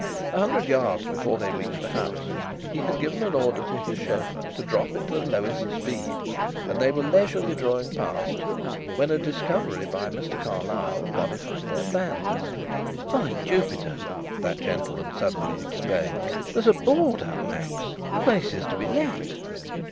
A hundred yards before they reached the house he had given an order to his chauffeur to drop into the lowest speed and they were leisurely drawing past when a discovery by Mr. Carlyle modified their plans. "By Jupiter!" that gentleman suddenly exclaimed, "there's a board up, Max. The place is to be let."